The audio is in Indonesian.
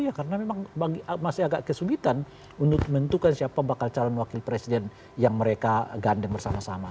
ya karena memang masih agak kesulitan untuk menentukan siapa bakal calon wakil presiden yang mereka gandeng bersama sama